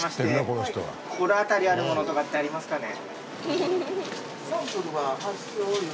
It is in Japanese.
心当たりあるものとかってありますかね？